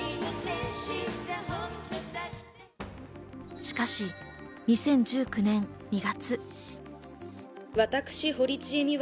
しかし２０１９年２月。